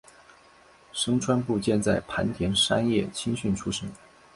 牲川步见在磐田山叶青训出身。